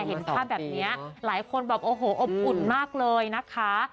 เห็นภาพแบบนี้หลายคนแบบโอ้โหอบอุ่นมากเลยนะคะ